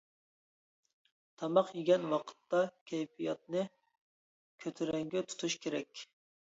تاماق يېگەن ۋاقىتتا كەيپىياتنى كۆتۈرەڭگۈ تۇتۇش كېرەك.